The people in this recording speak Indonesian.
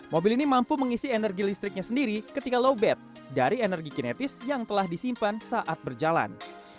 mobil ini mampu mengisi energi listriknya sendiri ketika low bad dari energi kinetis yang telah disimpan saat berjalan